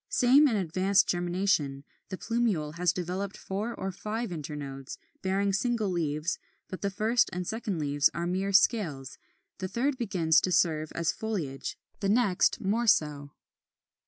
Same in advanced germination: the plumule has developed four or five internodes, bearing single leaves; but the first and second leaves are mere scales, the third begins to serve as foliage; the next more so.